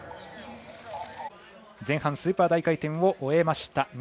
前半スーパー大回転を終えました。